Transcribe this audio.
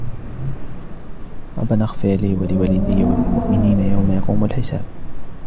ربنا اغفر لي ولوالدي وللمؤمنين يوم يقوم الحساب